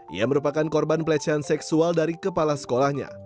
ia merupakan korban pelecehan seksual dari kepala sekolahnya